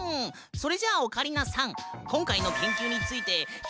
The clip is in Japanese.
それじゃオカリナさん